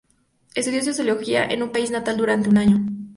Estudió sociología en su país natal durante un año.